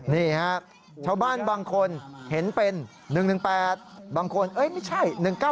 นี่ฮะชาวบ้านบางคนเห็นเป็น๑๑๘บางคนไม่ใช่๑๙๙